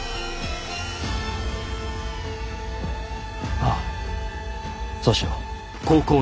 ああそうしよう。